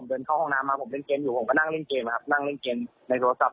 ผ่านข้างบนเขาชะโงกหน้า